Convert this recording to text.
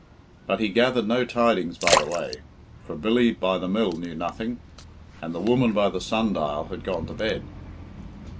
But he gathered no tidings by the way, for Billy by the mill knew nothing, and the woman by the sundial had gone to bed.